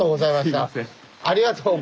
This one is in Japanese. ありがとう。